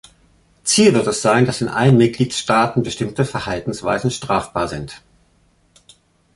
Ziel wird es sein, dass in allen Mitgliedstaaten bestimmte Verhaltensweisen strafbar sind.